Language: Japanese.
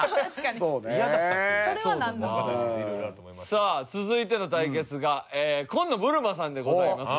さあ続いての対決が紺野ぶるまさんでございます。